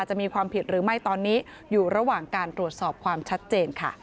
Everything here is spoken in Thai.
จะมีความผิดหรือไม่ตอนนี้อยู่ระหว่างการตรวจสอบความชัดเจนค่ะ